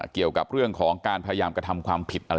เกี่ยวกับเรื่องของการพยายามกระทำพิษ